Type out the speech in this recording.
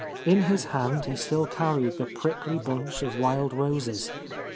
In his hand he still carried the prickly bunch of wild roses.